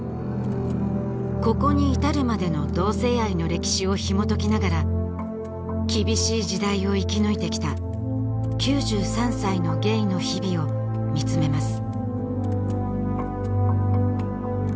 ここに至るまでの同性愛の歴史をひもときながら厳しい時代を生き抜いてきた９３歳のゲイの日々を見つめます